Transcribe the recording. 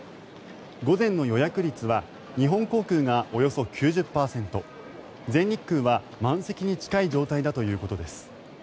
午前の予約率は日本航空がおよそ９０％全日空は満席に近い状態だということです。